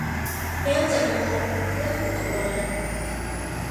แก้วจะกระทบเมื่อถูกกับโลหะ